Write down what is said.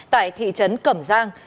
tại thị trấn cầm giang